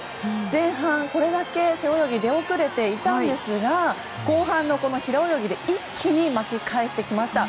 前半これだけ背泳ぎ出遅れていたんですが後半の平泳ぎで一気に巻き返してきました。